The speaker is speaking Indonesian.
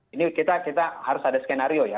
ini kita harus ada skenario ya